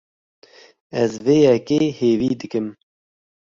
Ez vê yekê hêvî dikim.